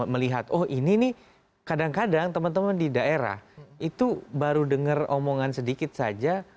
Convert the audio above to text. melihat oh ini nih kadang kadang teman teman di daerah itu baru dengar omongan sedikit saja